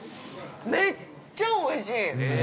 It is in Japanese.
◆めっちゃおいしい！